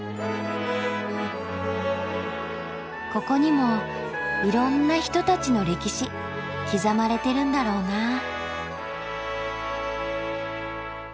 ここにもいろんな人たちの歴史刻まれてるんだろうな。